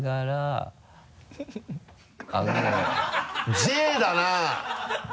「Ｊ」だな！